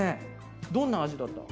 どんな味だったの？